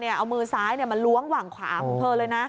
เอามือซ้ายมาล้วงหวังขวาของเธอเลยนะ